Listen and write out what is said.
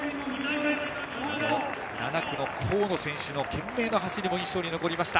７区の河野選手の懸命の走りも印象に残りました。